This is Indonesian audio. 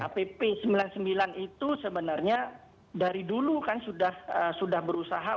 pp sembilan itu sebenarnya dari dulu kan sudah berusaha